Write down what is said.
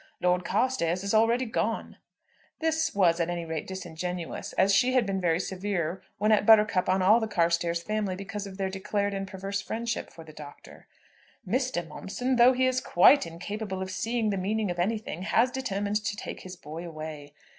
Lord Carstairs is already gone." [This was at any rate disingenuous, as she had been very severe when at Buttercup on all the Carstairs family because of their declared and perverse friendship for the Doctor.] "Mr. Momson, though he is quite incapable of seeing the meaning of anything, has determined to take his boy away.